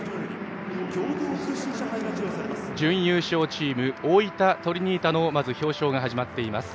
準優勝チーム、大分トリニータの表彰が始まっています。